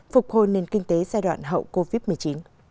phục hồi nền kinh tế giai đoạn hậu covid một mươi chín